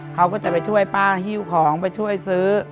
เขาก็จะไปช่วยป้าหิ้วของไปช่วยซื้อ